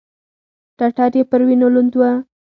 ټټر يې پر وينو لوند و.